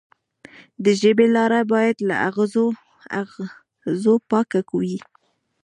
د ژبې لاره باید له اغزو پاکه وي.